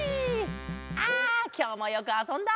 あきょうもよくあそんだ。